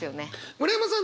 村山さん